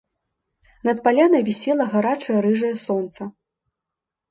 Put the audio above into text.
Над палянай вісела гарачае рыжае сонца.